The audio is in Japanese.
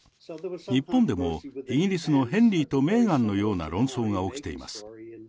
日本でも、イギリスのヘンリーとメーガンのような論争が起きています。